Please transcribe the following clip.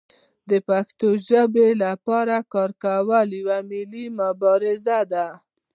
د پښتو ژبې لپاره کار کول یوه ملي مبارزه ده.